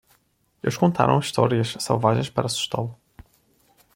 Eles contaram histórias selvagens para assustá-lo.